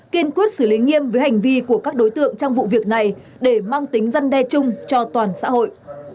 kiên quyết xử lý nghiêm với hành vi của các đối tượng trong vụ việc này để mang tính răn đe chung cho toàn xã hội